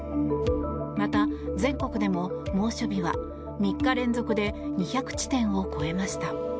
また、全国でも猛暑日は３日連続で２００地点を超えました。